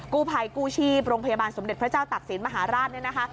กู้ภัยกู้ชีพโรงพยาบาลสมเด็จพระเจ้าตักศิลป์มหาราช